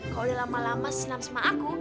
kalau udah lama lama senam sama aku